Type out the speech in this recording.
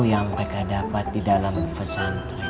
yang mereka dapat di dalam pesantren